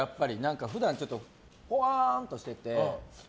普段、ぽわーんとしていて。